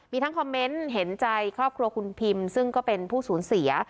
มีทั้งคอมเมนต์เห็นใจครอบครัวคุณพิมซึ่งก็เป็นผู้สูญเสีย